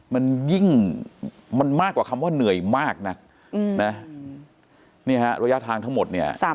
มันยิ่งมันมากกว่าคำว่าเหนื่อยมากนักเนี่ยฮะระยะทางทั้งหมดเนี่ย